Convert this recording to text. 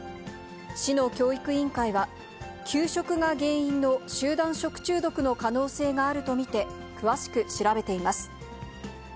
市の教育委員会は、給食が原因の集団食中毒の可能性があると見て、詳しく調べています。